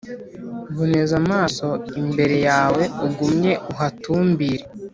boneza amaso imbere yawe, ugumye uhatumbire